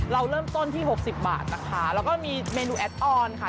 เราเริ่มต้นที่๖๐บาทนะคะแล้วก็มีเมนูแอดออนค่ะ